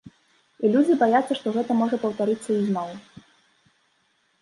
І людзі баяцца, што гэта можа паўтарыцца ізноў.